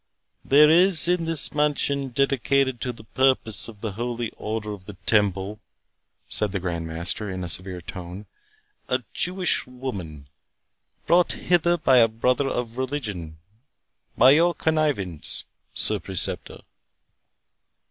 "There is in this mansion, dedicated to the purposes of the holy Order of the Temple," said the Grand Master, in a severe tone, "a Jewish woman, brought hither by a brother of religion, by your connivance, Sir Preceptor."